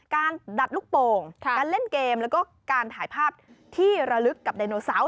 ดัดลูกโป่งการเล่นเกมแล้วก็การถ่ายภาพที่ระลึกกับไดโนเซา